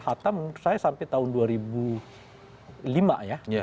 hatta menurut saya sampai tahun dua ribu lima ya